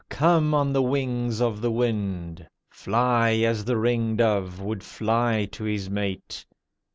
Come on the wings of the wind! Fly as the ring dove would fly to his mate!